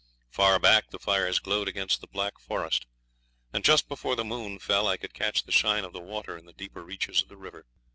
Far back the fires glowed against the black forest, and just before the moon fell I could catch the shine of the water in the deeper reaches of the river.